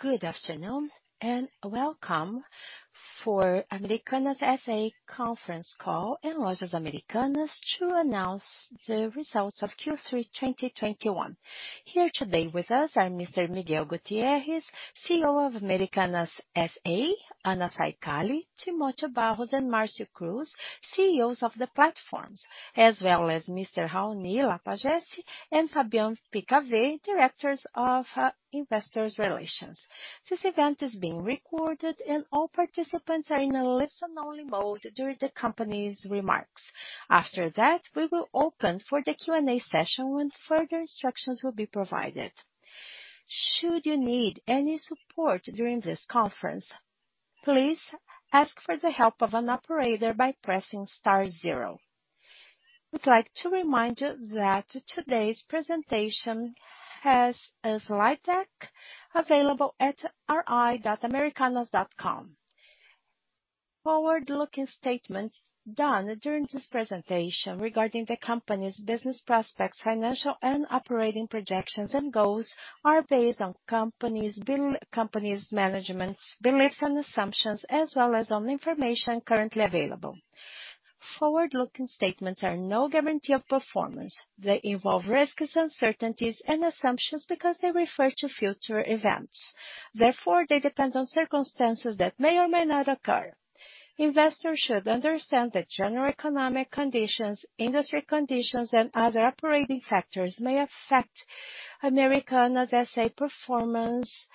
Good afternoon, and welcome to Americanas SA conference call and Lojas Americanas to announce the results of Q3 2021. Here today with us are Mr. Miguel Gutierrez, CEO of Americanas SA, Anna Saicali, Timotheo Barros and Marcio Cruz, CEOs of the platforms, as well as Mr. Raoni Lapagesse and Fabien Picavet, Directors of Investor Relations. This event is being recorded and all participants are in a listen-only mode during the company's remarks. After that, we will open for the Q&A session, when further instructions will be provided. Should you need any support during this conference, please ask for the help of an operator by pressing star zero. We'd like to remind you that today's presentation has a slide deck available at ri.americanas.com. Forward-looking statements done during this presentation regarding the company's business prospects, financial and operating projections and goals are based on the company's management's beliefs and assumptions, as well as on the information currently available. Forward-looking statements are no guarantee of performance. They involve risks, uncertainties and assumptions because they refer to future events. Therefore, they depend on circumstances that may or may not occur. Investors should understand that general economic conditions, industry conditions, and other operating factors may affect Americanas SA performance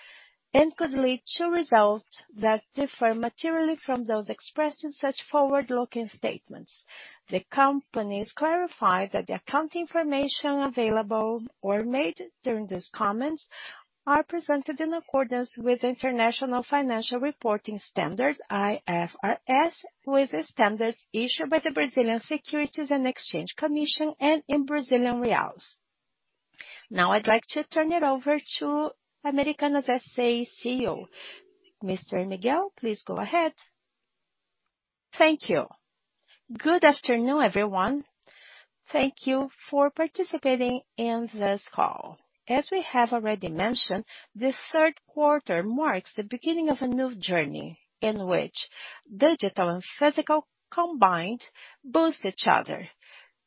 and could lead to results that differ materially from those expressed in such forward-looking statements. The company clarifies that the accounting information available or made during these comments are presented in accordance with International Financial Reporting Standards, IFRS, with the standards issued by the Brazilian Securities and Exchange Commission and in Brazilian reals. Now I'd like to turn it over to Americanas SA CEO. Mr. Miguel, please go ahead. Good afternoon, everyone. Thank you for participating in this call. As we have already mentioned, this third quarter marks the beginning of a new journey in which digital and physical combined boost each other,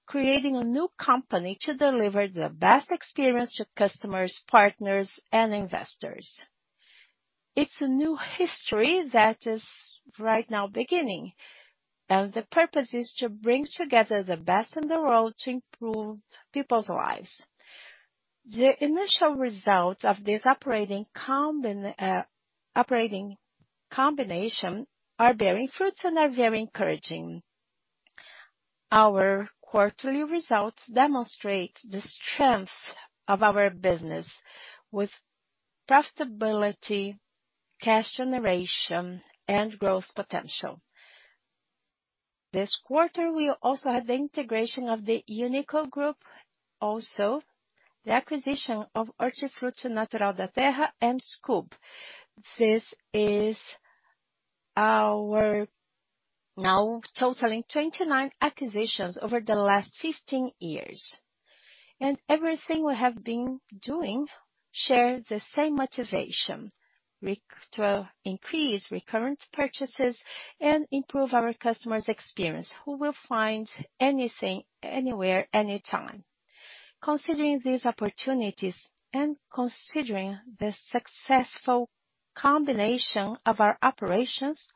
creating a new company to deliver the best experience to customers, partners and investors. It's a new history that is right now beginning, and the purpose is to bring together the best in the world to improve people's lives. The initial results of this operating combination are bearing fruits and are very encouraging. Our quarterly results demonstrate the strength of our business with profitability, cash generation, and growth potential. This quarter we also have the integration of the Uni.co Group, also the acquisition of Hortifruti Natural da Terra and Skoob. This is our now totaling 29 acquisitions over the last 15 years. Everything we have been doing shares the same motivation. To increase recurrent purchases and improve our customers' experience, who will find anything, anywhere, anytime. Considering these opportunities and considering the successful combination of our operations,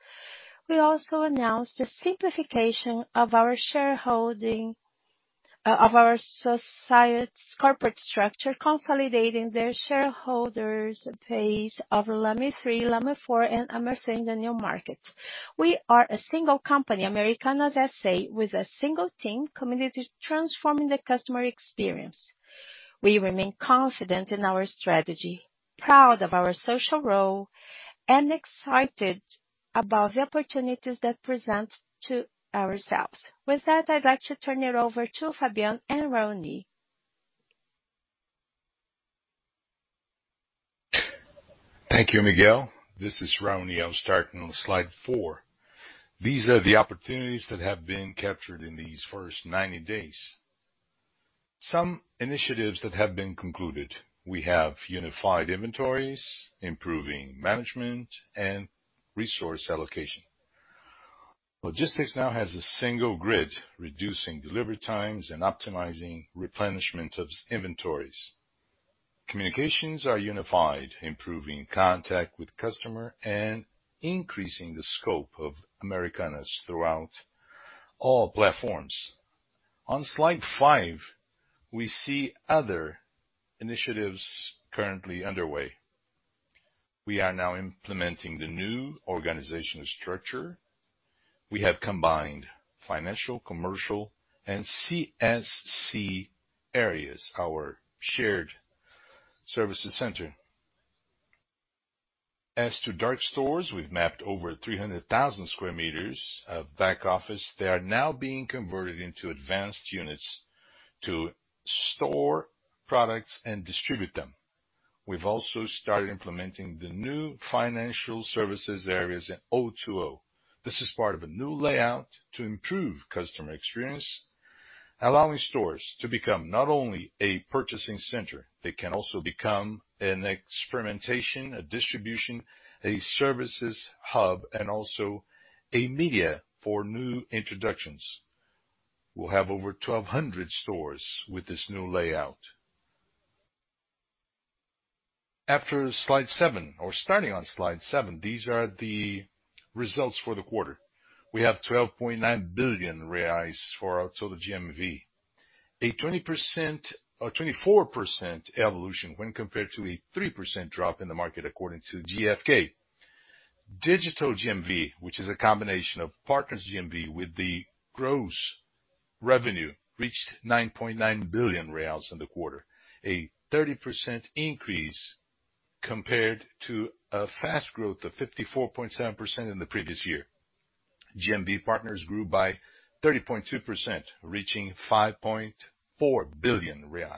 we also announced the simplification of our shareholding of our society's corporate structure, consolidating their shareholders base of LAME3, LAME4, and AMER3 in the Novo Mercado. We are a single company, Americanas SA, with a single team committed to transforming the customer experience. We remain confident in our strategy, proud of our social role, and excited about the opportunities that present to ourselves. With that, I'd like to turn it over to Fabien and Raoni. Thank you, Miguel. This is Raoni. I'll start on slide four. These are the opportunities that have been captured in these first 90 days. Some initiatives that have been concluded. We have unified inventories, improving management and resource allocation. Logistics now has a single grid, reducing delivery times and optimizing replenishment of inventories. Communications are unified, improving contact with customer and increasing the scope of Americanas throughout all platforms. On slide five, we see other initiatives currently underway. We are now implementing the new organizational structure. We have combined financial, commercial and CSC areas, our shared services center. As to dark stores, we've mapped over 300,000 sq m of back office. They are now being converted into advanced units to store products and distribute them. We've also started implementing the new financial services areas in O2O. This is part of a new layout to improve customer experience, allowing stores to become not only a purchasing center, they can also become an experimentation, a distribution, a services hub, and also a media for new introductions. We'll have over 1,200 stores with this new layout. After slide seven or starting on slide seven, these are the results for the quarter. We have 12.9 billion reais for our total GMV. A 20% or 24% evolution when compared to a 3% drop in the market according to GfK. Digital GMV, which is a combination of partners GMV with the gross revenue, reached 9.9 billion reais in the quarter. A 30% increase compared to a fast growth of 54.7% in the previous year. GMV partners grew by 30.2%, reaching 5.4 billion reais.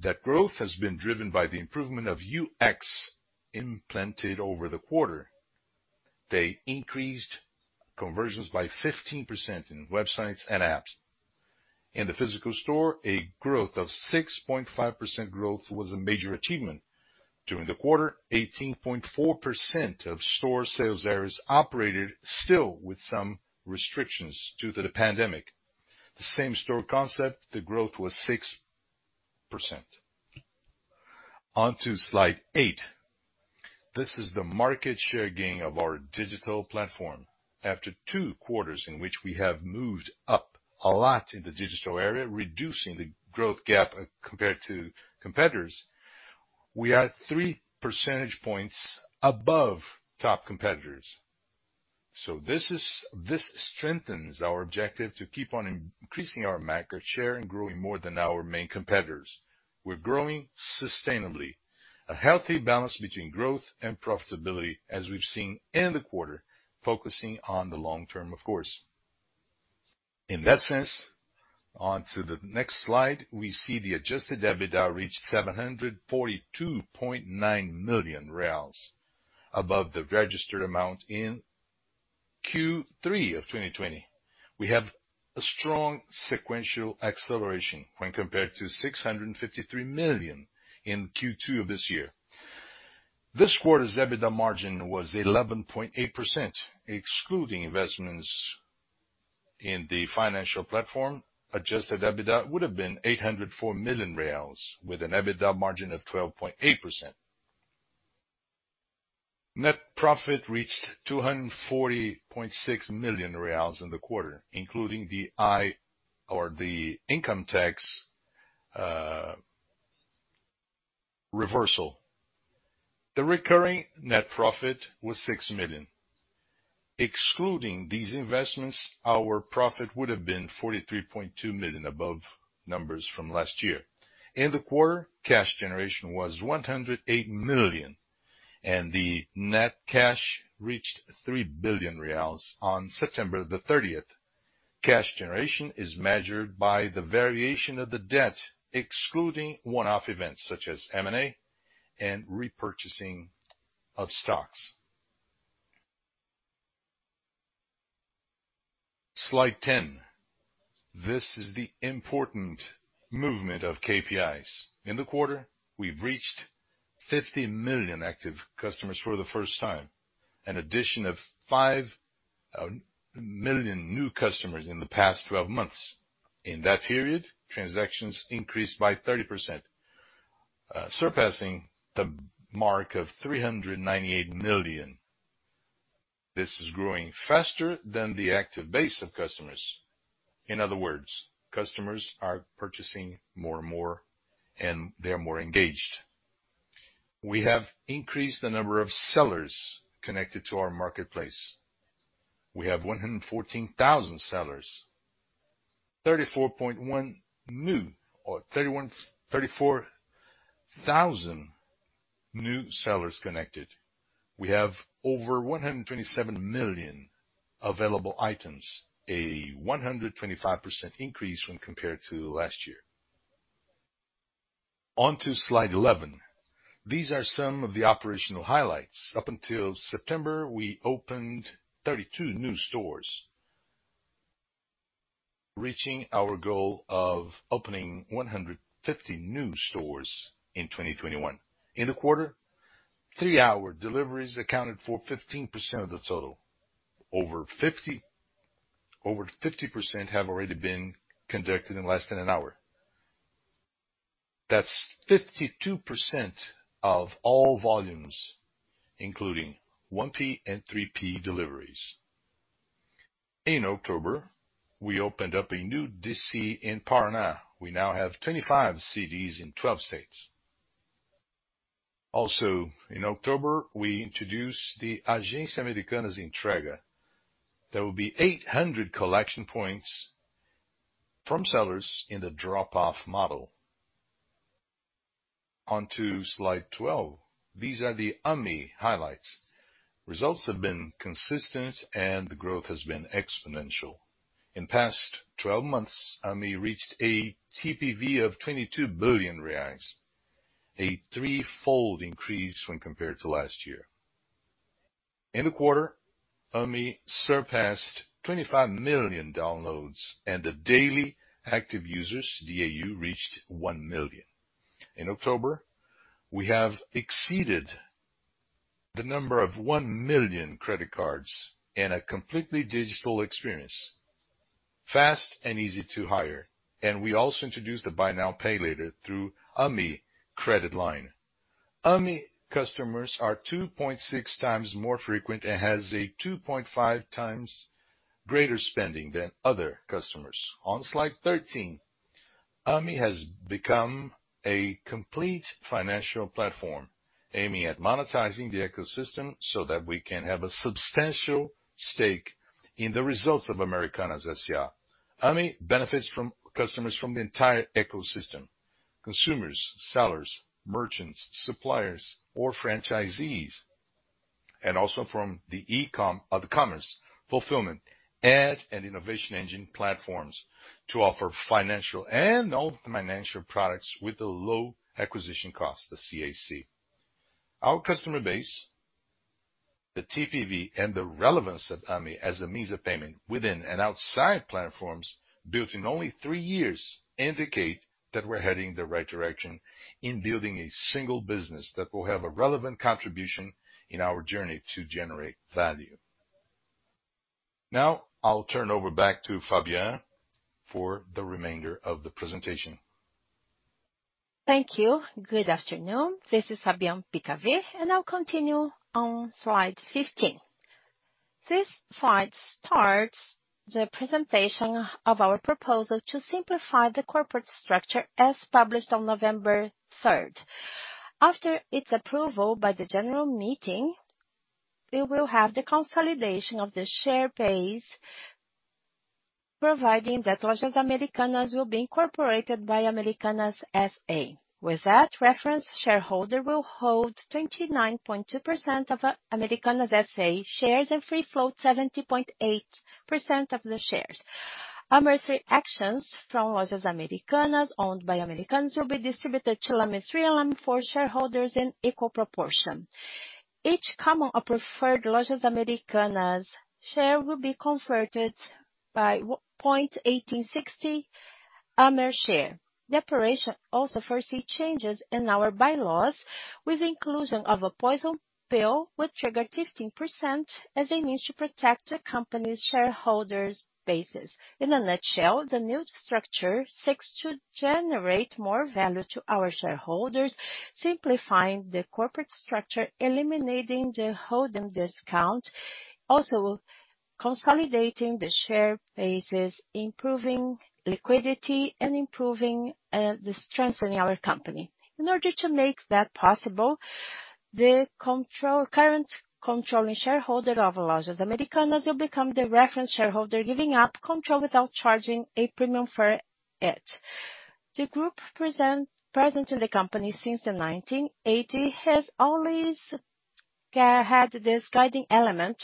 That growth has been driven by the improvement of UX implanted over the quarter. They increased conversions by 15% in websites and apps. In the physical store, a growth of 6.5% was a major achievement. During the quarter, 18.4% of store sales areas operated still with some restrictions due to the pandemic. The same store concept, the growth was 6%. On to slide eight. This is the market share gain of our digital platform. After two quarters in which we have moved up a lot in the digital area, reducing the growth gap compared to competitors, we are 3 percentage points above top competitors. This strengthens our objective to keep on increasing our market share and growing more than our main competitors. We're growing sustainably. A healthy balance between growth and profitability, as we've seen in the quarter, focusing on the long term, of course. In that sense, on to the next slide, we see the adjusted EBITDA reached 742.9 million reais, above the registered amount in Q3 of 2020. We have a strong sequential acceleration when compared to 653 million in Q2 of this year. This quarter's EBITDA margin was 11.8%, excluding investments in the financial platform. Adjusted EBITDA would have been 804 million reais with an EBITDA margin of 12.8%. Net profit reached 240.6 million reais in the quarter, including the IR or the income tax reversal. The recurring net profit was 6 million. Excluding these investments, our profit would have been 43.2 million above numbers from last year. In the quarter, cash generation was 108 million, and the net cash reached 3 billion reais on September 30th. Cash generation is measured by the variation of the debt, excluding one-off events, such as M&A and repurchasing of stocks. Slide 10. This is the important movement of KPIs. In the quarter, we've reached 50 million active customers for the first time, an addition of 5 million new customers in the past 12 months. In that period, transactions increased by 30%, surpassing the mark of 398 million. This is growing faster than the active base of customers. In other words, customers are purchasing more and more, and they are more engaged. We have increased the number of sellers connected to our marketplace. We have 114,000 sellers, 34,000 new sellers connected. We have over 127 million available items, a 125% increase when compared to last year. On to slide 11. These are some of the operational highlights. Up until September, we opened 32 new stores, reaching our goal of opening 150 new stores in 2021. In the quarter, three-hour deliveries accounted for 15% of the total. Over 50% have already been conducted in less than an hour. That's 52% of all volumes, including 1P and 3P deliveries. In October, we opened up a new DC in Paraná. We now have 25 cities in 12 states. Also in October, we introduced the Agência Americanas Entrega. There will be 800 collection points from sellers in the drop-off model. On to slide 12. These are the Ame highlights. Results have been consistent and the growth has been exponential. In past 12 months, Ame reached a TPV of 22 billion reais. A threefold increase when compared to last year. In the quarter, Ame surpassed 25 million downloads and the daily active users, DAU, reached 1 million. In October, we have exceeded the number of 1 million credit cards in a completely digital experience, fast and easy to hire. We also introduced the Buy Now, Pay Later through Ame credit line. Ame customers are 2.6x more frequent and has a 2.5x greater spending than other customers. On slide 13, Ame has become a complete financial platform aiming at monetizing the ecosystem so that we can have a substantial stake in the results of Americanas SA. Ame benefits from customers from the entire ecosystem, consumers, sellers, merchants, suppliers or franchisees, and also from the e-com or the commerce fulfillment, ad and innovation engine platforms to offer financial and non-financial products with a low acquisition cost, the CAC. Our customer base, the TPV and the relevance of Ame as a means of payment within and outside platforms built in only three years indicate that we're heading in the right direction in building a single business that will have a relevant contribution in our journey to generate value. Now I'll turn over back to Fabien for the remainder of the presentation. Thank you. Good afternoon. This is Fabien Picavet, and I'll continue on slide 15. This slide starts the presentation of our proposal to simplify the corporate structure as published on November 3rd. After its approval by the general meeting, we will have the consolidation of the share base, providing that Lojas Americanas will be incorporated by Americanas SA. With that reference, shareholder will hold 29.2% of Americanas SA shares and free float 70.8% of the shares. AMER3 shares from Lojas Americanas owned by Americanas will be distributed to LAME3 and LAME4 shareholders in equal proportion. Each common or preferred Lojas Americanas share will be converted by 0.1860 AMER3 share. The operation also foresee changes in our bylaws with the inclusion of a poison pill with trigger 15% as a means to protect the company's shareholders bases. In a nutshell, the new structure seeks to generate more value to our shareholders, simplifying the corporate structure, eliminating the holding discount, also consolidating the share bases, improving liquidity and strengthening our company. In order to make that possible, current controlling shareholder of Lojas Americanas will become the reference shareholder giving up control without charging a premium for it. The group present in the company since 1980 has always had this guiding element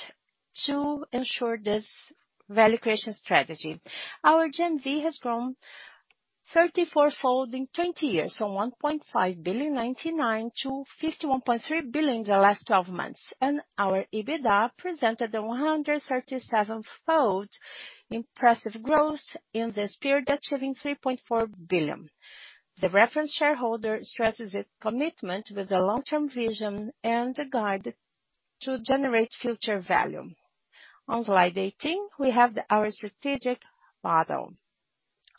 to ensure this value creation strategy. Our GMV has grown 34-fold in 20 years from 1.5 billion in 1999 to 51.3 billion in the last 12 months, and our EBITDA presented a 137-fold impressive growth in this period, achieving 3.4 billion. The reference shareholder stresses its commitment with the long-term vision and the guide to generate future value. On slide 18, we have our strategic model.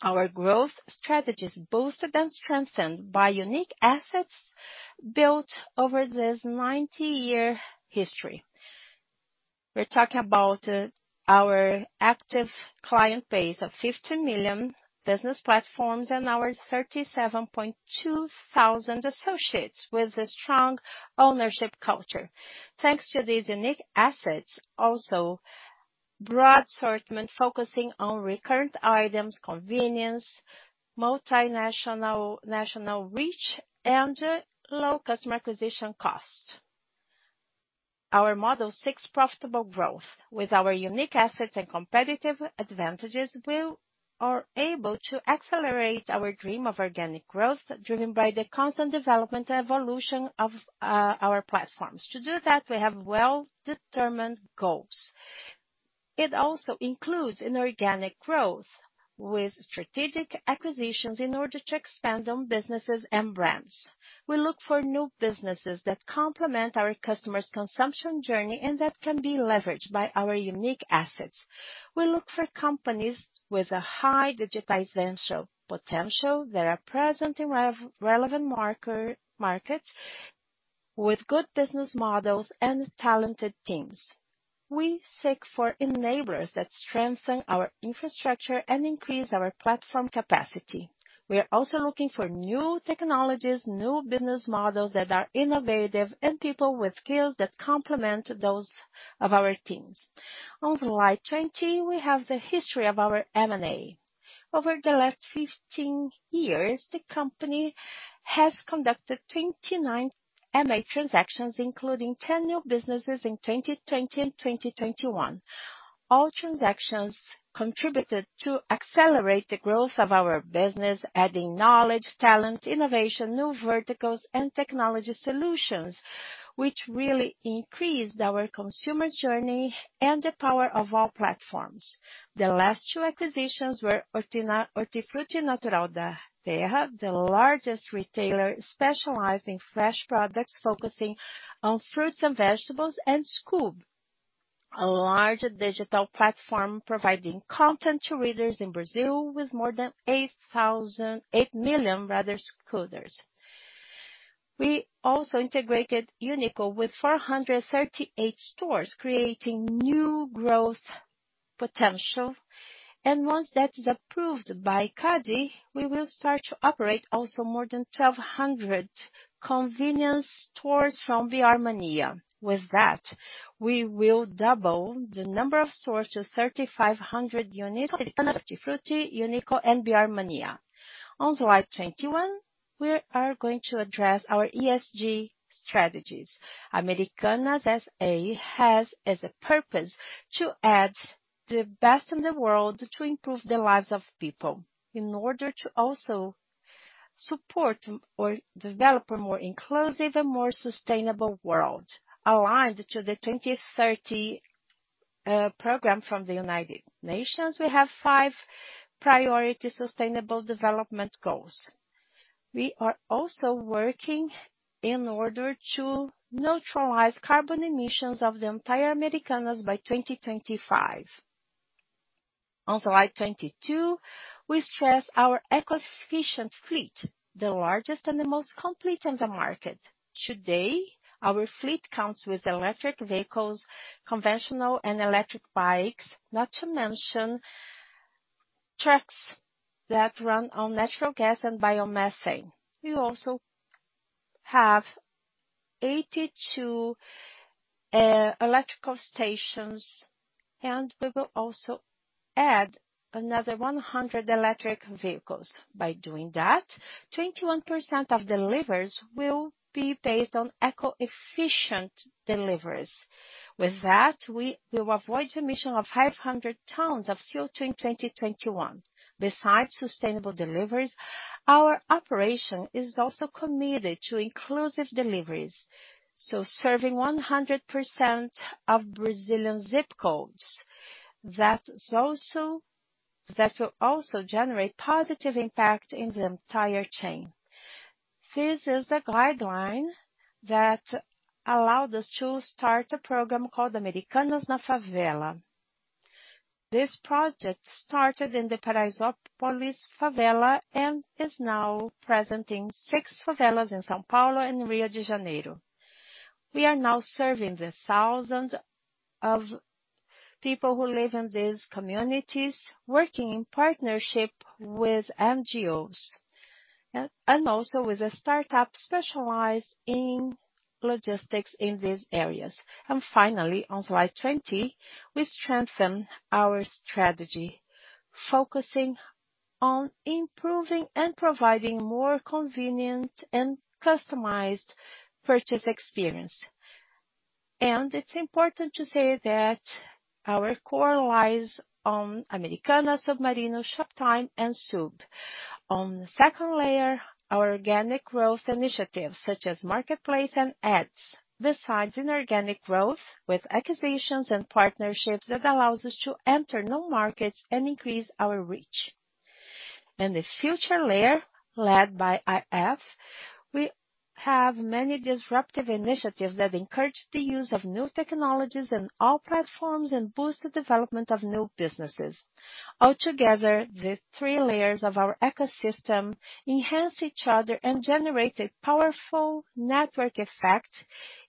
Our growth strategy is boosted and strengthened by unique assets built over this 90-year history. We're talking about our active client base of 50 million business platforms and our 37,200 associates with a strong ownership culture. Thanks to these unique assets, also broad assortment focusing on recurrent items, convenience, multinational national reach and low customer acquisition cost. Our model seeks profitable growth. With our unique assets and competitive advantages, we are able to accelerate our dream of organic growth driven by the constant development and evolution of our platforms. To do that, we have well-determined goals. It also includes an organic growth with strategic acquisitions in order to expand on businesses and brands. We look for new businesses that complement our customers' consumption journey and that can be leveraged by our unique assets. We look for companies with a high digitization potential that are present in revenue-relevant markets with good business models and talented teams. We seek for enablers that strengthen our infrastructure and increase our platform capacity. We are also looking for new technologies, new business models that are innovative and people with skills that complement those of our teams. On slide 20, we have the history of our M&A. Over the last 15 years, the company has conducted 29 M&A transactions, including 10 new businesses in 2020 and 2021. All transactions contributed to accelerate the growth of our business, adding knowledge, talent, innovation, new verticals and technology solutions, which really increased our consumer journey and the power of all platforms. The last two acquisitions were Hortifruti Natural da Terra, the largest retailer specialized in fresh products, focusing on fruits and vegetables, and Skoob, a large digital platform providing content to readers in Brazil with more than 8 million rather, Skoobers. We also integrated Uni.co with 438 stores, creating new growth potential. Once that is approved by CADE, we will start to operate also more than 1,200 convenience stores from BR Mania. With that, we will double the number of stores to 3,500 units, Hortifruti, Uni.co and BR Mania. On slide 21, we are going to address our ESG strategies. Americanas SA has as a purpose to add the best in the world to improve the lives of people in order to also support or develop a more inclusive and more sustainable world. Aligned to the 2030 program from the United Nations, we have five priority sustainable development goals. We are also working in order to neutralize carbon emissions of the entire Americanas by 2025. On slide 22, we stress our eco-efficient fleet, the largest and the most complete in the market. Today, our fleet counts with electric vehicles, conventional and electric bikes, not to mention trucks that run on natural gas and biomethane. We also have 82 electrical stations, and we will also add another 100 electric vehicles. By doing that, 21% of deliveries will be based on eco-efficient deliveries. With that, we will avoid emission of 500 tons of CO2 in 2021. Besides sustainable deliveries, our operation is also committed to inclusive deliveries, serving 100% of Brazilian zip codes. That will also generate positive impact in the entire chain. This is the guideline that allowed us to start a program called Americanas na Favela. This project started in the Paraisópolis favela and is now present in six favelas in São Paulo and Rio de Janeiro. We are now serving the thousands of people who live in these communities, working in partnership with NGOs and also with a startup specialized in logistics in these areas. Finally, on slide 20, we strengthen our strategy, focusing on improving and providing more convenient and customized purchase experience. It's important to say that our core lies on Americanas, Submarino, Shoptime and Sub. On the second layer, our organic growth initiatives such as Marketplace and Ads. Besides inorganic growth with acquisitions and partnerships that allows us to enter new markets and increase our reach. In the future layer led by IF, we have many disruptive initiatives that encourage the use of new technologies in all platforms and boost the development of new businesses. Altogether, the three layers of our ecosystem enhance each other and generate a powerful network effect,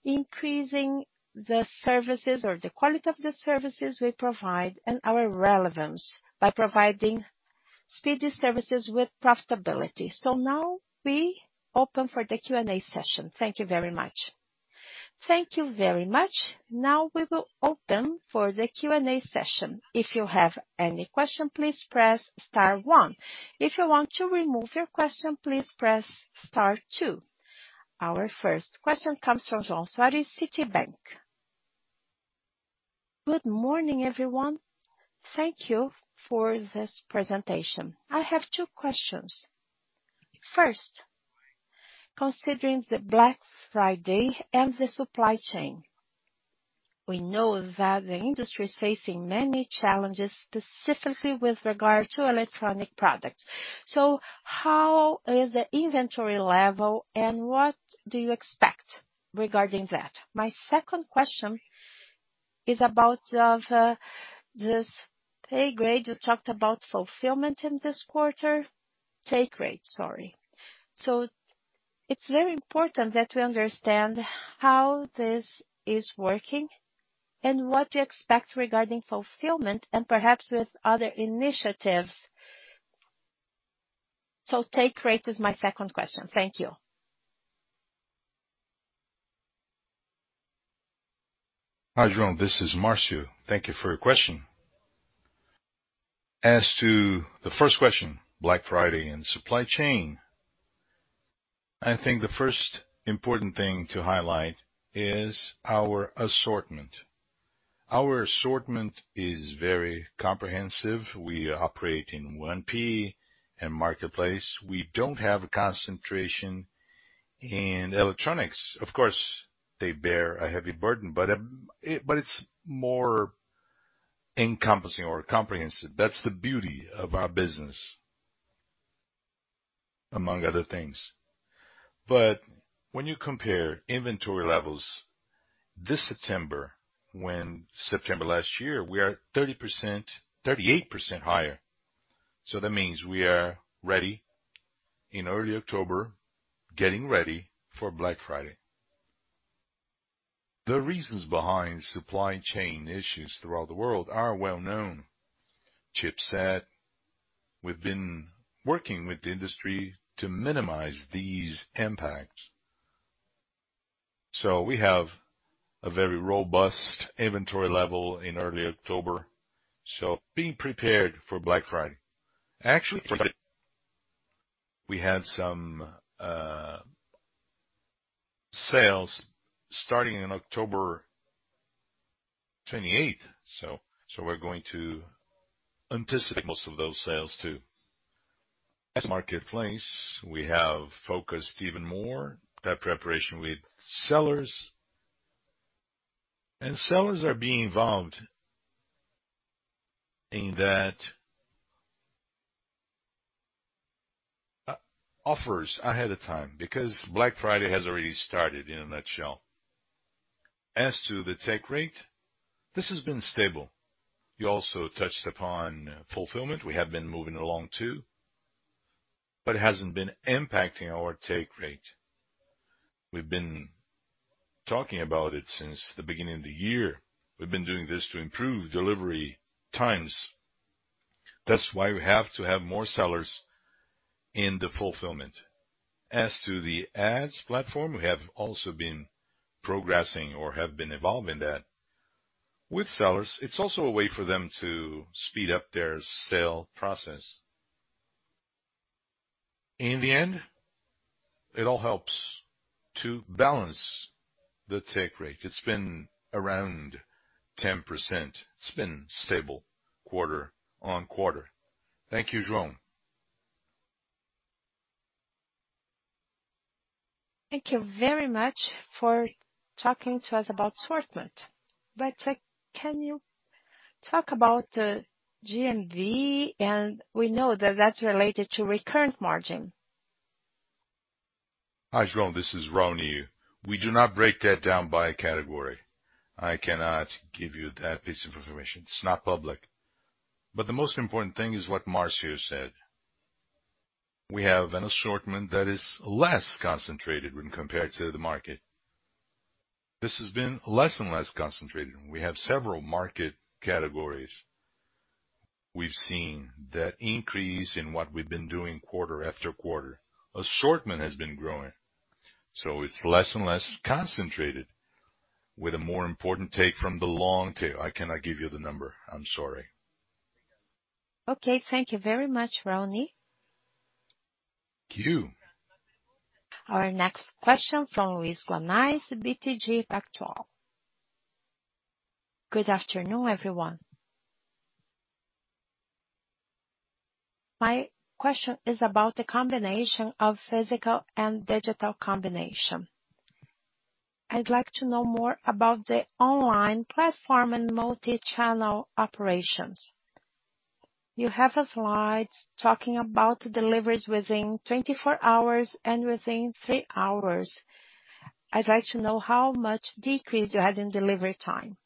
increasing the services or the quality of the services we provide, and our relevance by providing speedy services with profitability. Now we open for the Q&A session. Thank you very much. Thank you very much. Now we will open for the Q&A session. Our first question comes from João Soares, Citibank. Good morning, everyone. Thank you for this presentation. I have two questions. First, considering the Black Friday and the supply chain, we know that the industry is facing many challenges, specifically with regard to electronic products. How is the inventory level and what do you expect regarding that? My second question is about this take rate. You talked about fulfillment in this quarter. It's very important that we understand how this is working and what you expect regarding fulfillment and perhaps with other initiatives. Take rate is my second question. Thank you. Hi, João, this is Marcio. Thank you for your question. As to the first question, Black Friday and supply chain. I think the first important thing to highlight is our assortment. Our assortment is very comprehensive. We operate in 1P and marketplace. We don't have a concentration in electronics. Of course, they bear a heavy burden, but it's more encompassing or comprehensive. That's the beauty of our business, among other things. When you compare inventory levels this September with September last year, we are 38% higher. That means we are ready in early October, getting ready for Black Friday. The reasons behind supply chain issues throughout the world are well known. Chipset. We've been working with the industry to minimize these impacts. We have a very robust inventory level in early October, being prepared for Black Friday. Actually, we had some sales starting in October 28, so we're going to anticipate most of those sales too. As marketplace, we have focused even more that preparation with sellers. Sellers are being involved in that offers ahead of time because Black Friday has already started in a nutshell. As to the take rate, this has been stable. You also touched upon fulfillment. We have been moving along too, but it hasn't been impacting our take rate. We've been talking about it since the beginning of the year. We've been doing this to improve delivery times. That's why we have to have more sellers in the fulfillment. As to the Ads platform, we have also been progressing or have been evolving that with sellers. It's also a way for them to speed up their sale process. In the end, it all helps to balance the take rate. It's been around 10%. It's been stable quarter-on-quarter. Thank you, João. Thank you very much for talking to us about assortment. Can you talk about the GMV? We know that that's related to recurrent margin. Hi, João, this is Raoni. We do not break that down by category. I cannot give you that piece of information. It's not public. The most important thing is what Marcio said. We have an assortment that is less concentrated when compared to the market. This has been less and less concentrated, and we have several market categories. We've seen that increase in what we've been doing quarter after quarter. Assortment has been growing, so it's less and less concentrated with a more important take from the long tail. I cannot give you the number. I'm sorry. Okay. Thank you very much, Raoni. Thank you. Our next question from Luiz Guanais, BTG Pactual. Good afternoon, everyone. My question is about the combination of physical and digital combination. I'd like to know more about the online platform and multichannel operations. You have a slide talking about deliveries within 24 hours and within three hours. I'd like to know how much decrease you had in delivery time.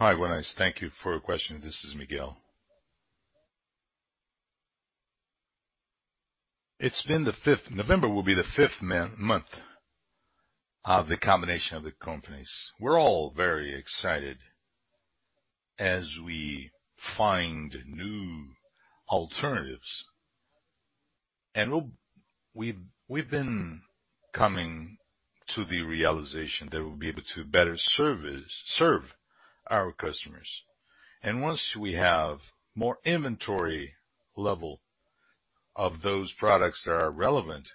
Hi, Guanais. Thank you for your question. This is Miguel. November will be the fifth month of the combination of the companies. We're all very excited as we find new alternatives. We've been coming to the realization that we'll be able to better serve our customers. Once we have more inventory level of those products that are relevant,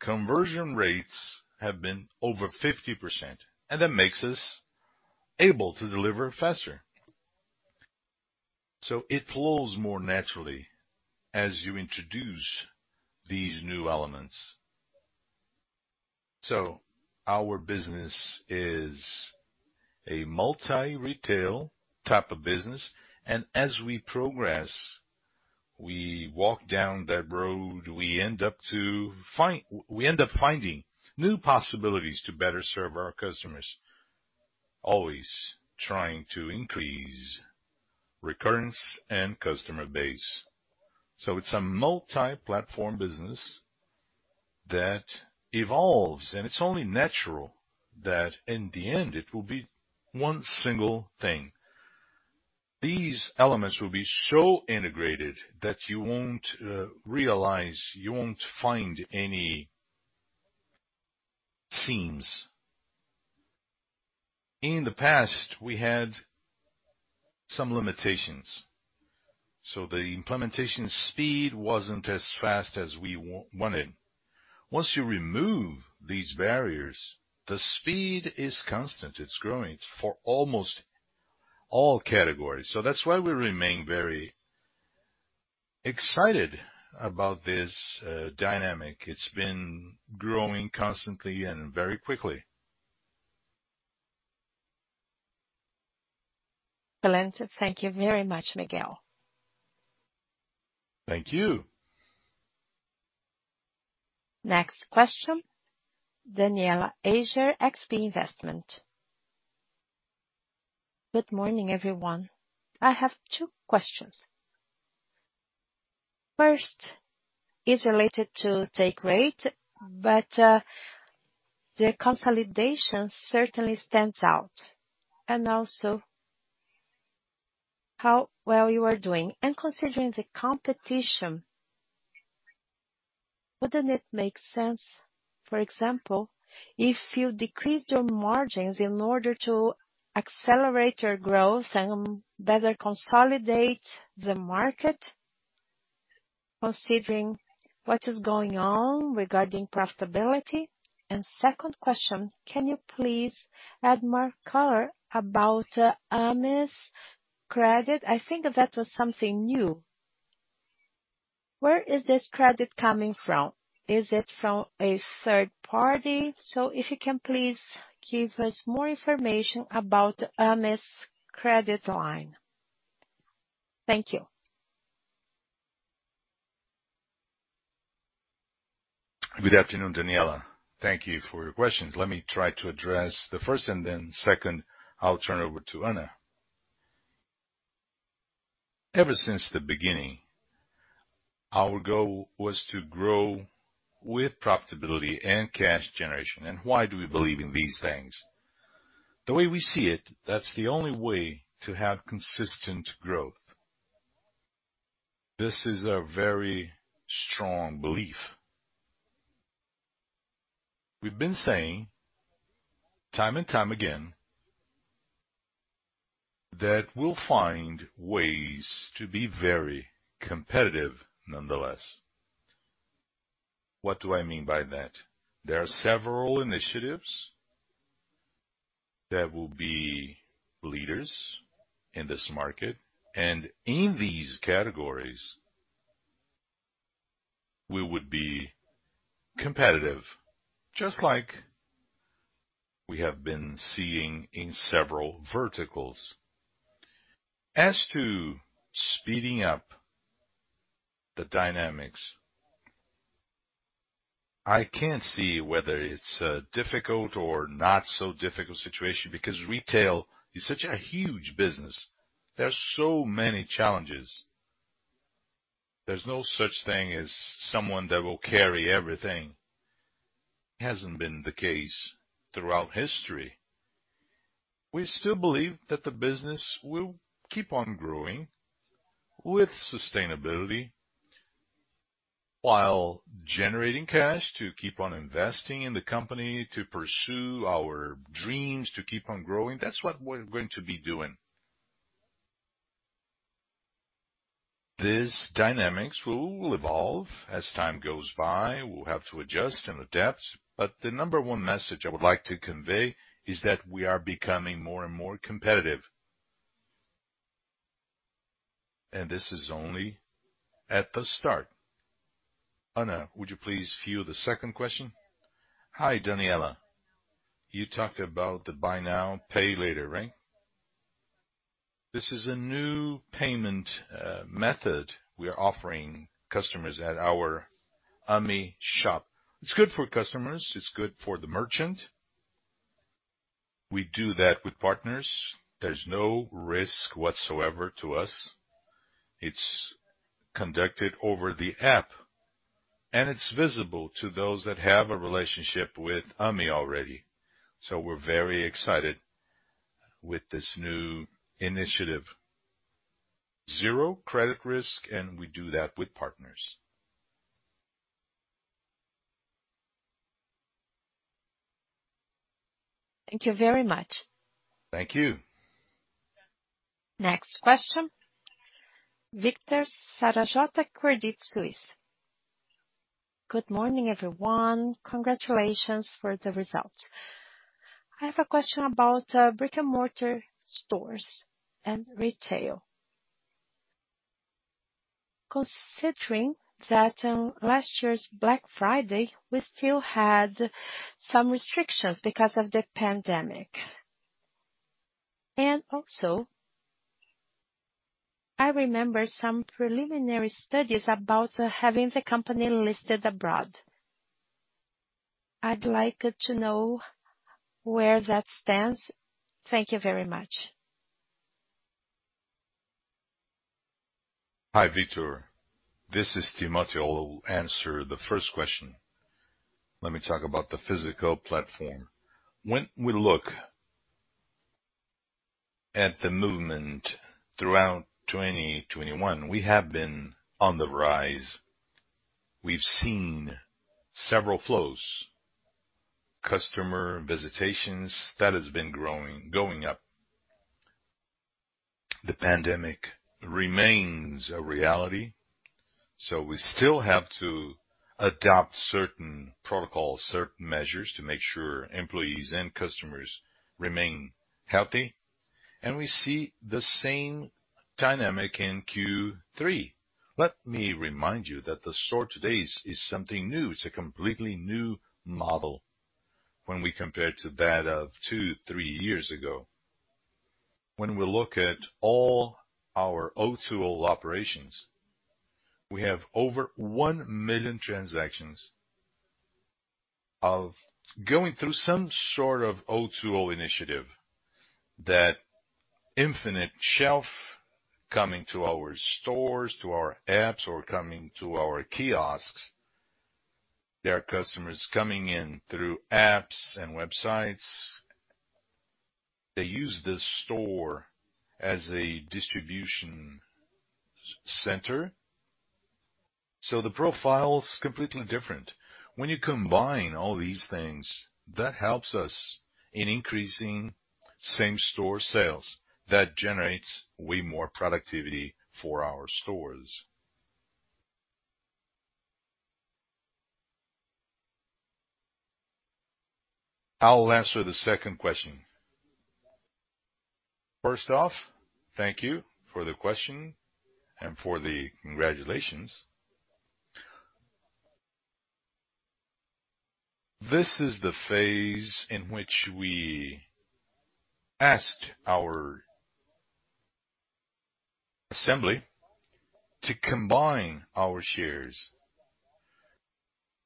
conversion rates have been over 50%, and that makes us able to deliver faster. It flows more naturally as you introduce these new elements. Our business is a multi-retail type of business, and as we progress, we walk down that road, we end up finding new possibilities to better serve our customers, always trying to increase recurrence and customer base. It's a multi-platform business that evolves, and it's only natural that in the end it will be one single thing. These elements will be so integrated that you won't realize, you won't find any seams. In the past, we had some limitations, so the implementation speed wasn't as fast as we wanted. Once you remove these barriers, the speed is constant. It's growing for almost all categories. That's why we remain very excited about this dynamic. It's been growing constantly and very quickly. Thank you very much, Miguel. Thank you. Next question, Danniela Eiger, XP Investment. Good morning, everyone. I have two questions. First is related to take rate, but the consolidation certainly stands out, and also how well you are doing. Considering the competition, wouldn't it make sense, for example, if you decrease your margins in order to accelerate your growth and better consolidate the market considering what is going on regarding profitability? Second question, can you please add more color about Ame's Credit? I think that was something new. Where is this credit coming from? Is it from a third party? So if you can please give us more information about Ame's Credit Line. Thank you. Good afternoon, Danniela. Thank you for your questions. Let me try to address the first, and then second, I'll turn over to Anna. Ever since the beginning, our goal was to grow with profitability and cash generation. Why do we believe in these things? The way we see it, that's the only way to have consistent growth. This is a very strong belief. We've been saying time and time again that we'll find ways to be very competitive, nonetheless. What do I mean by that? There are several initiatives that will be leaders in this market and in these categories, we would be competitive, just like we have been seeing in several verticals. As to speeding up the dynamics, I can't see whether it's a difficult or not so difficult situation because retail is such a huge business. There are so many challenges. There's no such thing as someone that will carry everything. It hasn't been the case throughout history. We still believe that the business will keep on growing with sustainability while generating cash to keep on investing in the company, to pursue our dreams, to keep on growing. That's what we're going to be doing. These dynamics will evolve as time goes by. We'll have to adjust and adapt. The number one message I would like to convey is that we are becoming more and more competitive. This is only at the start. Anna, would you please field the second question? Hi, Danniela. You talked about the Buy Now, Pay Later, right? This is a new payment method we are offering customers at our Ame shop. It's good for customers. It's good for the merchant. We do that with partners. There's no risk whatsoever to us. It's conducted over the app, and it's visible to those that have a relationship with Ame already. We're very excited with this new initiative. Zero credit risk, and we do that with partners. Thank you very much. Thank you. Next question, Victor Saragiotto, Credit Suisse. Good morning, everyone. Congratulations for the results. I have a question about brick-and-mortar stores and retail. Considering that last year's Black Friday, we still had some restrictions because of the pandemic. I remember some preliminary studies about having the company listed abroad. I'd like to know where that stands. Thank you very much. Hi, Victor. This is Timotheo. I'll answer the first question. Let me talk about the physical platform. When we look at the movement throughout 2021, we have been on the rise. We've seen several flows, customer visitations that has been growing, going up. The pandemic remains a reality, so we still have to adopt certain protocols, certain measures to make sure employees and customers remain healthy. We see the same dynamic in Q3. Let me remind you that the store today is something new. It's a completely new model when we compare to that of two, three years ago. When we look at all our O2O operations, we have over 1 million transactions going through some sort of O2O initiative, that infinite shelf coming to our stores, to our apps or coming to our kiosks. There are customers coming in through apps and websites. They use the store as a distribution center. The profile is completely different. When you combine all these things, that helps us in increasing same store sales. That generates way more productivity for our stores. I'll answer the second question. First off, thank you for the question and for the congratulations. This is the phase in which we ask our assembly to combine our shares.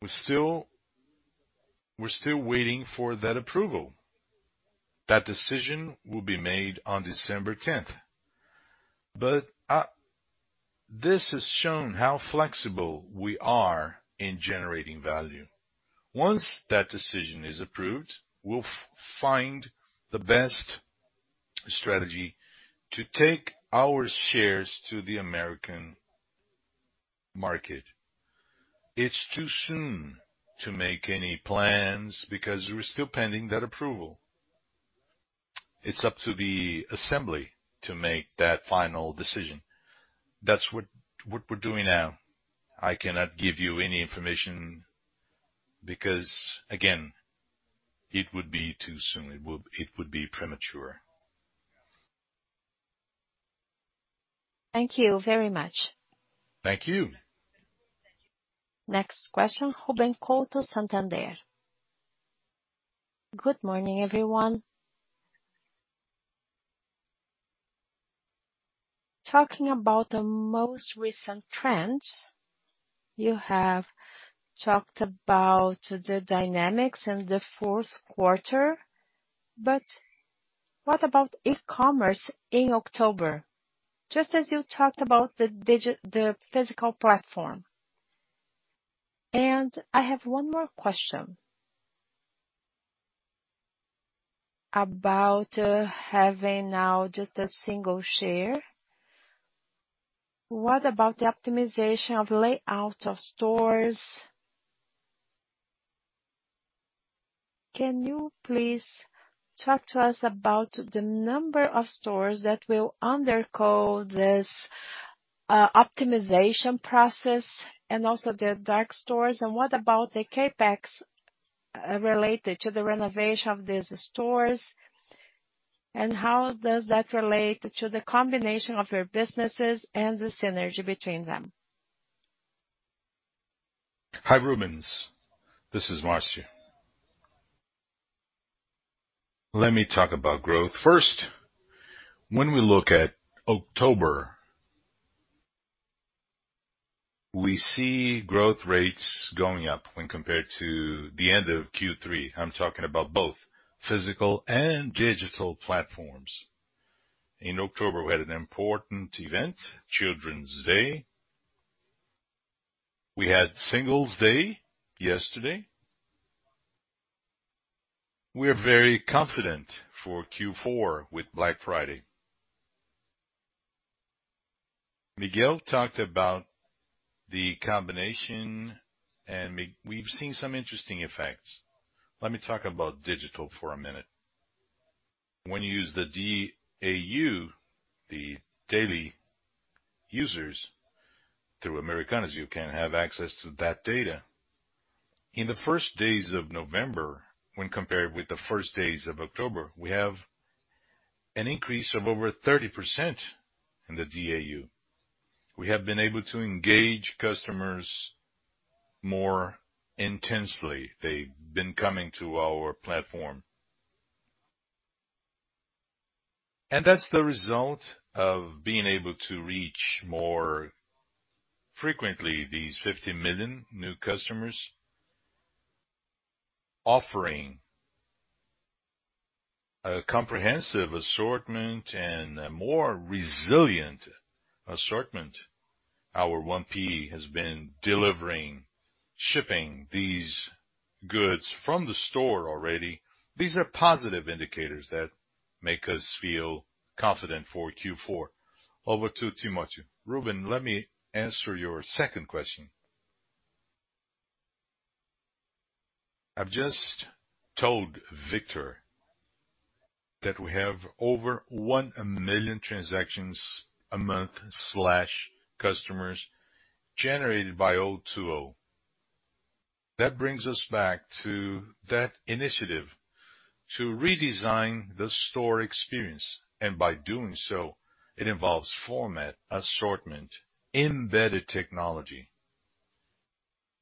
We're still waiting for that approval. That decision will be made on December 10th. This has shown how flexible we are in generating value. Once that decision is approved, we'll find the best strategy to take our shares to the American market. It's too soon to make any plans because we're still pending that approval. It's up to the assembly to make that final decision. That's what we're doing now. I cannot give you any information because, again, it would be too soon. It would be premature. Thank you very much. Thank you. Next question, Ruben Couto, Santander. Good morning, everyone. Talking about the most recent trends, you have talked about the dynamics in the fourth quarter, but what about e-commerce in October? Just as you talked about the physical platform. I have one more question about having now just a single share. What about the optimization of layout of stores? Can you please talk to us about the number of stores that will undergo this optimization process and also the dark stores? What about the CapEx related to the renovation of these stores, and how does that relate to the combination of your businesses and the synergy between them? Hi, Ruben. This is Marcio. Let me talk about growth. First, when we look at October, we see growth rates going up when compared to the end of Q3. I'm talking about both physical and digital platforms. In October, we had an important event, Children's Day. We had Singles Day yesterday. We're very confident for Q4 with Black Friday. Miguel talked about the combination, and we've seen some interesting effects. Let me talk about digital for a minute. When you use the DAU, the daily users, through Americanas, you can have access to that data. In the first days of November, when compared with the first days of October, we have an increase of over 30% in the DAU. We have been able to engage customers more intensely. They've been coming to our platform. That's the result of being able to reach more frequently these 50 million new customers, offering a comprehensive assortment and a more resilient assortment. Our 1P has been delivering, shipping these goods from the store already. These are positive indicators that make us feel confident for Q4. Over to Timotheo. Ruben, let me answer your second question. I've just told Victor that we have over 1 million transactions a month, customers generated by O2O. That brings us back to that initiative to redesign the store experience, and by doing so, it involves format, assortment, embedded technology.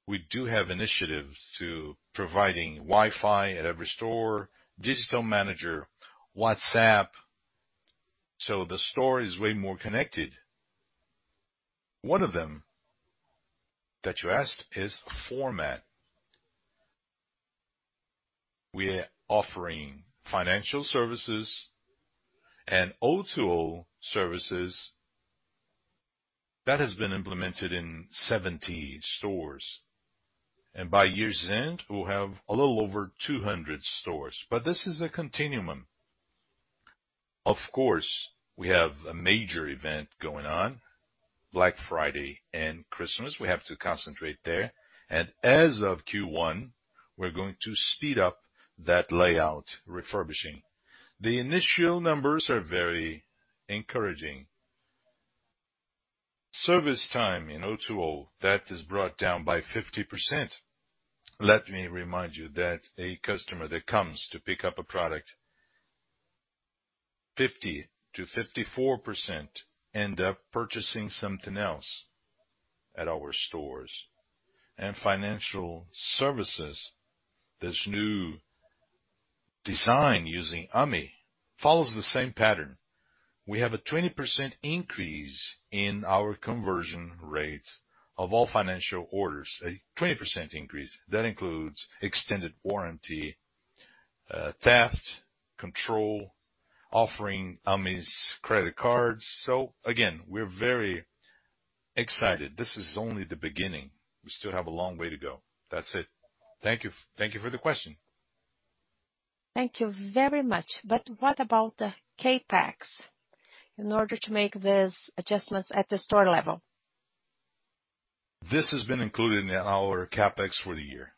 We do have initiatives to providing Wi-Fi at every store, digital manager, WhatsApp, so the store is way more connected. One of them that you asked is format. We're offering financial services and O2O services. That has been implemented in 70 stores. By year's end, we'll have a little over 200 stores. This is a continuum. Of course, we have a major event going on, Black Friday and Christmas. We have to concentrate there. As of Q1, we're going to speed up that layout refurbishing. The initial numbers are very encouraging. Service time in O2O, that is brought down by 50%. Let me remind you that a customer that comes to pick up a product, 50%-54% end up purchasing something else at our stores. Financial services, this new design using Ame follows the same pattern. We have a 20% increase in our conversion rates of all financial orders. A 20% increase. That includes extended warranty, theft, control, offering Ame's credit cards. Again, we're very excited. This is only the beginning. We still have a long way to go. That's it. Thank you. Thank you for the question. Thank you very much. What about the CapEx in order to make these adjustments at the store level? This has been included in our CapEx for the year.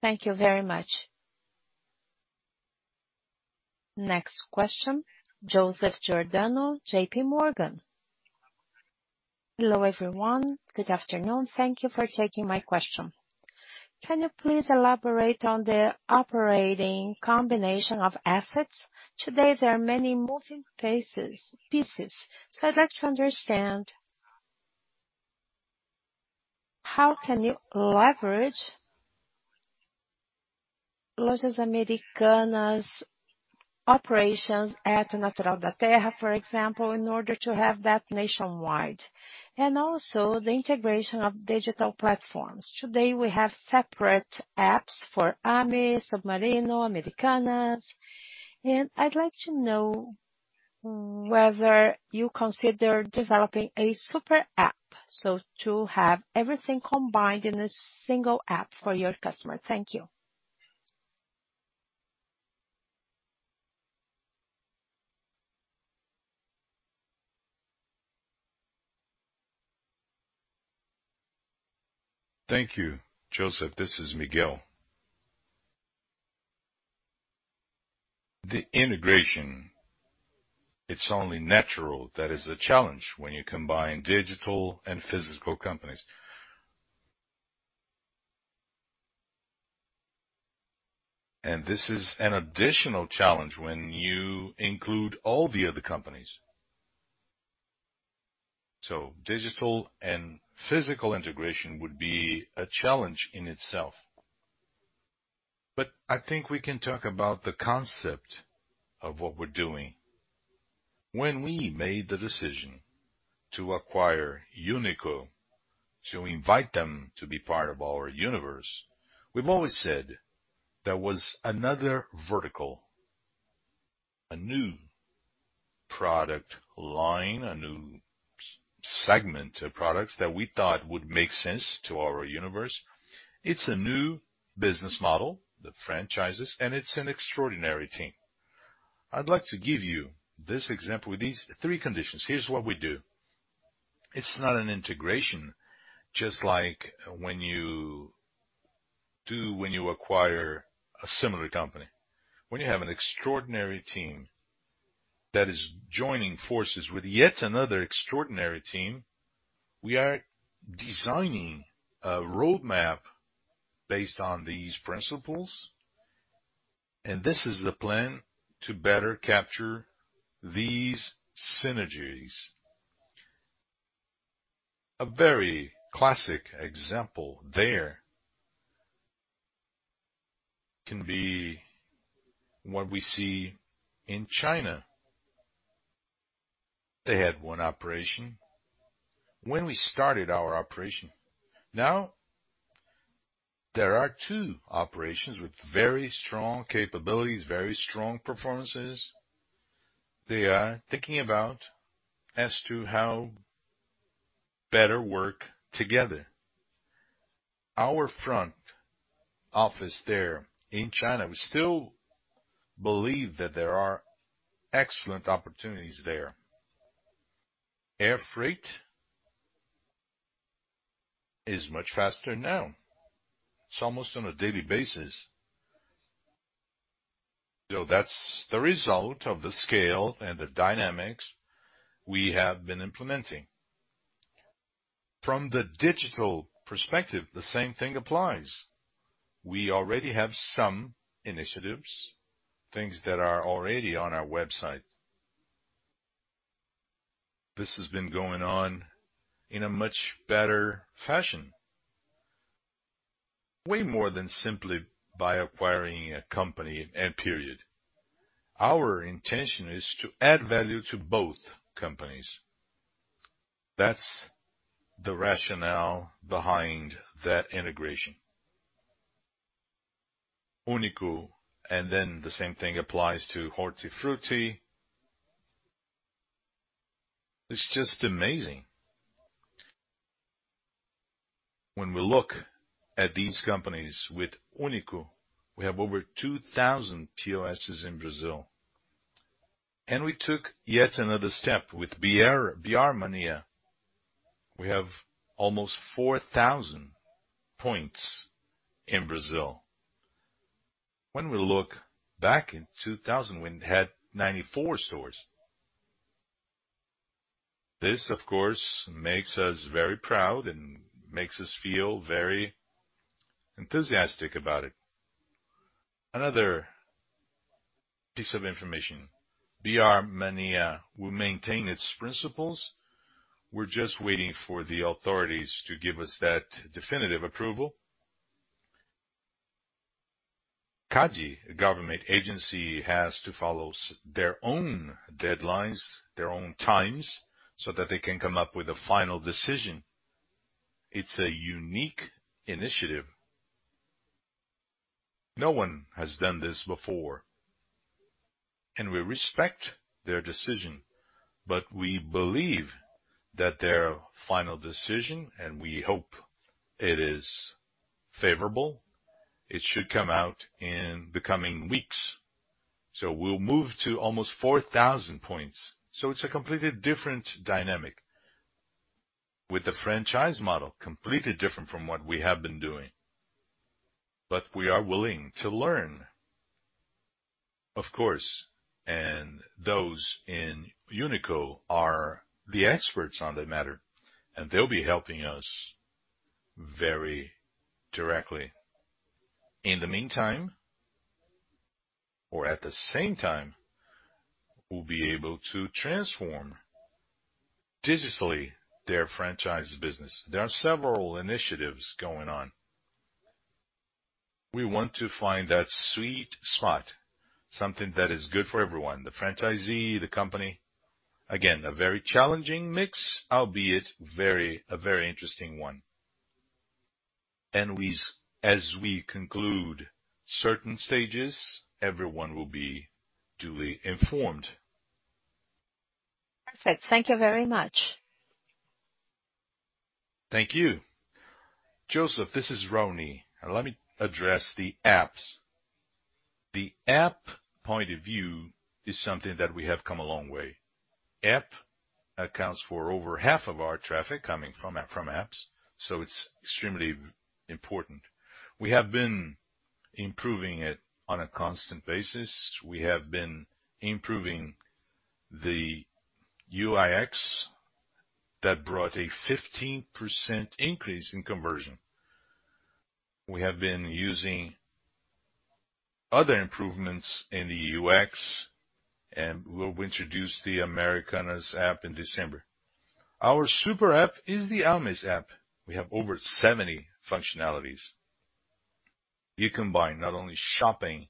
Thank you very much. Next question, Joseph Giordano, JPMorgan. Hello, everyone. Good afternoon. Thank you for taking my question. Can you please elaborate on the operating combination of assets? Today, there are many moving pieces, so I'd like to understand, how can you leverage what is Americanas operations at Natural da Terra, for example, in order to have that nationwide? Also the integration of digital platforms. Today, we have separate apps for Ame, Submarino, Americanas. I'd like to know whether you consider developing a super app, so to have everything combined in a single app for your customer. Thank you. Thank you, Joseph. This is Miguel. The integration, it's only natural that is a challenge when you combine digital and physical companies. This is an additional challenge when you include all the other companies. Digital and physical integration would be a challenge in itself. I think we can talk about the concept of what we're doing. When we made the decision to acquire Uni.co, to invite them to be part of our universe, we've always said there was another vertical, a new product line, a new segment of products that we thought would make sense to our universe. It's a new business model, the franchises, and it's an extraordinary team. I'd like to give you this example with these three conditions. Here's what we do. It's not an integration, just like when you acquire a similar company. When you have an extraordinary team that is joining forces with yet another extraordinary team, we are designing a roadmap based on these principles, and this is the plan to better capture these synergies. A very classic example there can be what we see in China. They had one operation when we started our operation. Now there are two operations with very strong capabilities, very strong performances. They are thinking about as to how better work together. Our front office there in China, we still believe that there are excellent opportunities there. Air freight is much faster now. It's almost on a daily basis. That's the result of the scale and the dynamics we have been implementing. From the digital perspective, the same thing applies. We already have some initiatives, things that are already on our website. This has been going on in a much better fashion. Way more than simply by acquiring a company. Our intention is to add value to both companies. That's the rationale behind that integration. Uni.co, then the same thing applies to Hortifruti. It's just amazing. When we look at these companies with Uni.co, we have over 2,000 POS in Brazil, and we took yet another step with BR Mania. We have almost 4,000 points in Brazil. When we look back in 2000, we had 94 stores. This, of course, makes us very proud and makes us feel very enthusiastic about it. Another piece of information. BR Mania will maintain its principles. We're just waiting for the authorities to give us that definitive approval. CADE, government agency, has to follow their own deadlines, their own times, so that they can come up with a final decision. It's a unique initiative. No one has done this before, and we respect their decision, but we believe that their final decision, and we hope it is favorable, it should come out in the coming weeks. We'll move to almost 4,000 points. It's a completely different dynamic with the franchise model, completely different from what we have been doing. We are willing to learn. Of course, those in Uni.co are the experts on the matter, and they'll be helping us very directly. In the meantime, or at the same time, we'll be able to transform digitally their franchise business. There are several initiatives going on. We want to find that sweet spot, something that is good for everyone, the franchisee, the company. Again, a very challenging mix, albeit a very interesting one. As we conclude certain stages, everyone will be duly informed. Perfect. Thank you very much. Thank you. Joseph, this is Raoni, and let me address the apps. The app point of view is something that we have come a long way. App accounts for over half of our traffic coming from apps, so it's extremely important. We have been improving it on a constant basis. We have been improving the UI/UX that brought a 15% increase in conversion. We have been using other improvements in the UX, and we'll introduce the Americanas app in December. Our super app is the Ame app. We have over 70 functionalities. You combine not only shopping,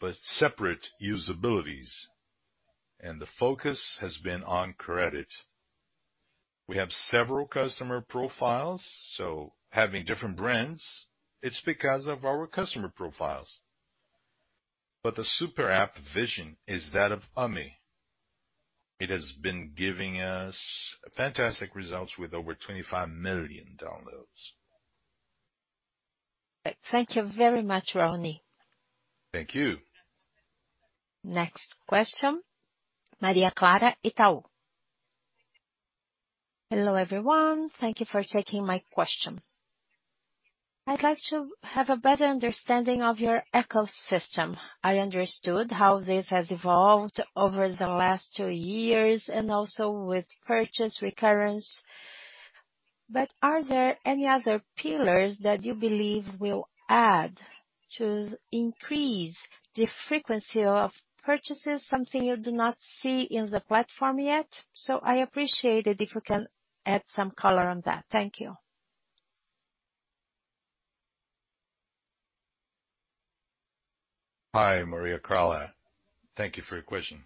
but separate usabilities, and the focus has been on credit. We have several customer profiles, so having different brands, it's because of our customer profiles. The super app vision is that of Ame. It has been giving us fantastic results with over 25 million downloads. Thank you very much, Raoni. Thank you. Next question, Maria Clara, Itaú. Hello, everyone. Thank you for taking my question. I'd like to have a better understanding of your ecosystem. I understood how this has evolved over the last two years and also with purchase recurrence. Are there any other pillars that you believe will add to increase the frequency of purchases, something you do not see in the platform yet? I appreciate it if you can add some color on that. Thank you. Hi, Maria Clara. Thank you for your question.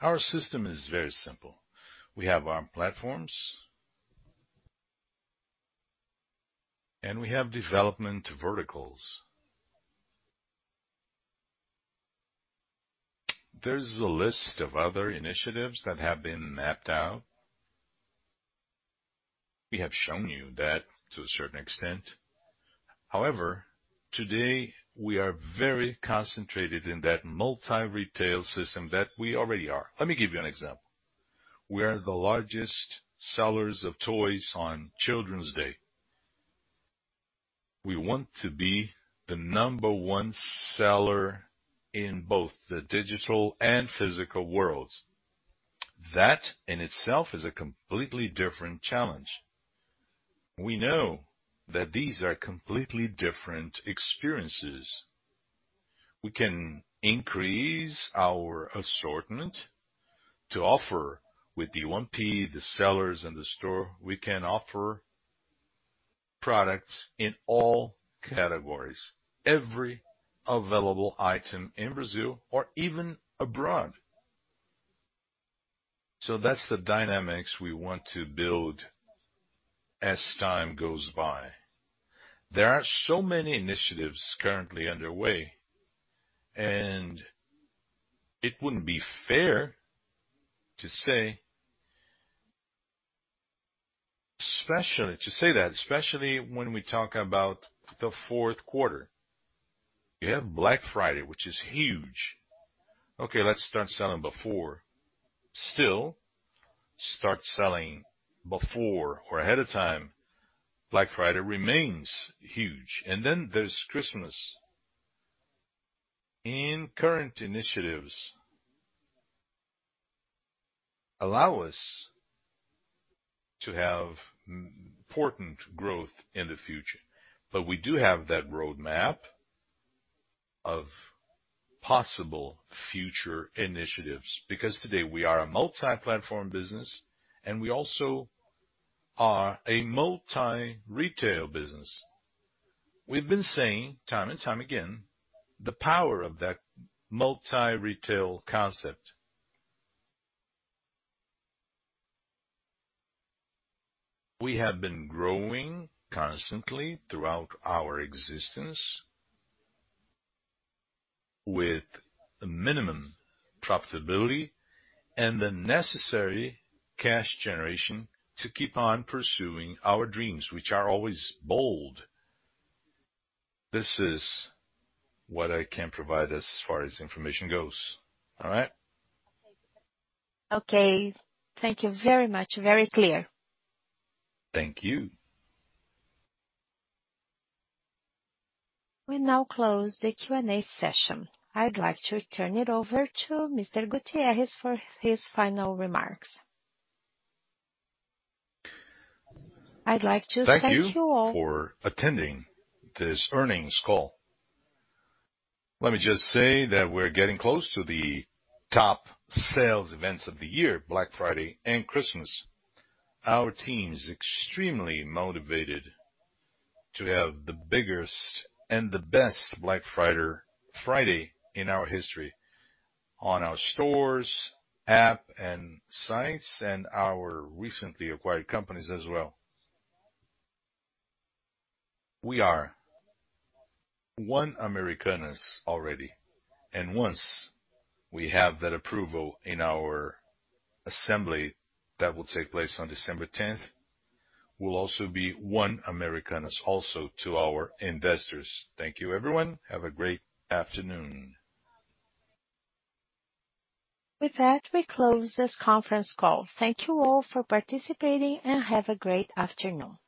Our system is very simple. We have our platforms and we have development verticals. There's a list of other initiatives that have been mapped out. We have shown you that to a certain extent. However, today we are very concentrated in that multi-retail system that we already are. Let me give you an example. We are the largest sellers of toys on Children's Day. We want to be the number one seller in both the digital and physical worlds. That in itself is a completely different challenge. We know that these are completely different experiences. We can increase our assortment to offer with the 1P, the sellers in the store, we can offer products in all categories, every available item in Brazil or even abroad. That's the dynamics we want to build as time goes by. There are so many initiatives currently underway, and it wouldn't be fair to say, especially when we talk about the fourth quarter. You have Black Friday, which is huge. We start selling before or ahead of time. Black Friday remains huge. There's Christmas. Current initiatives allow us to have important growth in the future. We do have that roadmap of possible future initiatives, because today we are a multi-platform business, and we also are a multi-retail business. We've been saying time and time again, the power of that multi-retail concept. We have been growing constantly throughout our existence with minimum profitability and the necessary cash generation to keep on pursuing our dreams, which are always bold. This is what I can provide as far as information goes. All right? Okay. Thank you very much. Very clear. Thank you. We now close the Q&A session. I'd like to turn it over to Mr. Gutierrez for his final remarks. I'd like to thank you all. Thank you for attending this earnings call. Let me just say that we're getting close to the top sales events of the year, Black Friday and Christmas. Our team is extremely motivated to have the biggest and the best Black Friday in our history on our stores, app and sites, and our recently acquired companies as well. We are one Americanas already, and once we have that approval in our assembly that will take place on December 10th, we'll also be one Americanas to our investors. Thank you, everyone. Have a great afternoon. With that, we close this conference call. Thank you all for participating, and have a great afternoon.